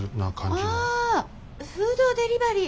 フードデリバリー。